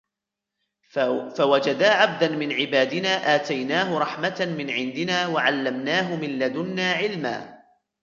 فوجدا عبدا من عبادنا آتيناه رحمة من عندنا وعلمناه من لدنا علما